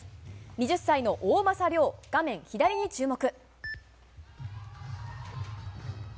２０歳の大政涼、画面左に注目。